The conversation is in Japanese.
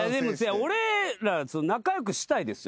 俺ら仲良くしたいですよ